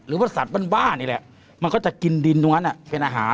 หรือว่าสัตว์บ้านบ้านนี่แหละมันก็จะกินดินตรงนั้นเป็นอาหาร